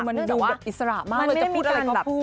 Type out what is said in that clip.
มันอยู่แบบอิสระมากเหมือนจะพูดอะไรก็พูด